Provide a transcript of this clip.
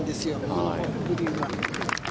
このグリーンは。